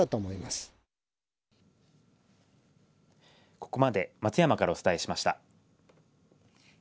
ここまで、松山からお伝えしました。